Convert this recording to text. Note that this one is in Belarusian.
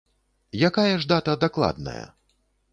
Якая ж дата дакладная?